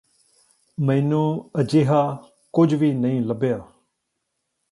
ਮੈਨੂੰ ਅਜਿਹਾ ਕੁੱਝ ਵੀ ਨਹੀਂ ਲੱਭਿਆ